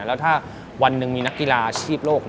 แล้วถ้าวันหนึ่งมีนักกีฬาอาชีพโลก